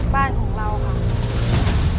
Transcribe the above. บ้านของเราค่ะ